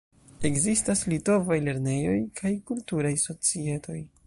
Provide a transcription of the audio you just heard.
Ekzistas litovaj lernejoj kaj kulturaj societoj.